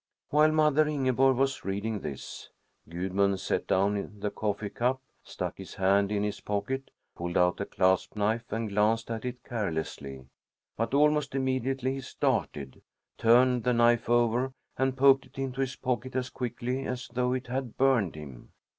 While mother Ingeborg was reading this, Gudmund set down the coffee cup, stuck his hand in his pocket, pulled out a clasp knife, and glanced at it carelessly. But almost immediately he started, turned the knife over, and poked it into his pocket as quickly as though it had burned him.